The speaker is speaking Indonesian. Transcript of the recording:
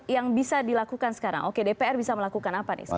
yang bisa dilakukan sekarang oke dpr bisa melakukan apa nih